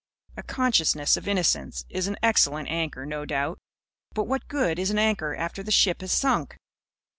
A consciousness of innocence is an excellent anchor, no doubt. But what good is an anchor after the ship has sunk?